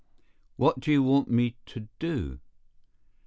"What do you want me to do?"